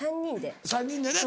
３人でね